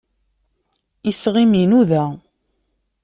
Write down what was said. Iseɣ-im inuda.